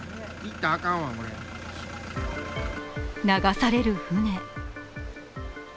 流される船。